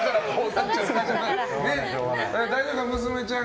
大丈夫、娘ちゃん。